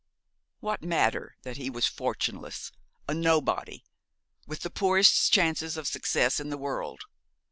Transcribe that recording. What matter that he was fortuneless, a nobody, with but the poorest chances of success in the world?